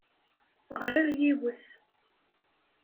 Ɣriɣ yiwet.